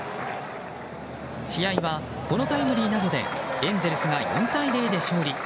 試合はこのタイムリーなどでエンゼルスが４対０で勝利。